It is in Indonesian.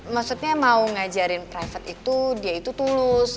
maksudnya mau ngajarin private itu dia itu tulus